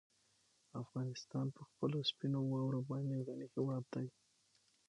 افغانستان په خپلو سپینو واورو باندې غني هېواد دی.